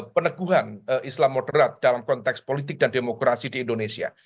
peneguhan islam moderat dalam konteks politik dan demokrasi di indonesia